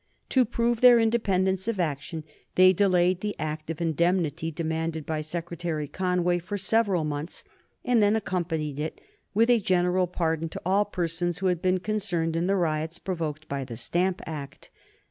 To prove their independence of action, they delayed the Act of Indemnity demanded by Secretary Conway for several months, and then accompanied it with a general pardon to all persons who had been concerned in the riots provoked by the Stamp Act.